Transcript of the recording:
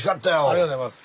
ありがとうございます。